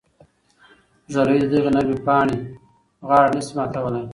ږلۍ د دغې نرمې پاڼې غاړه نه شي ماتولی.